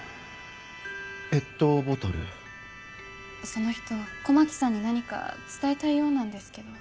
その人狛木さんに何か伝えたいようなんですけど。